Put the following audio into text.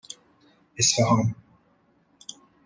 اصفهان